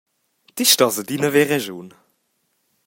Ti stos adina haver raschun.